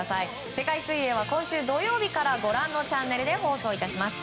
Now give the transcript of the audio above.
世界水泳は今週土曜日からご覧のチャンネルで放送致します。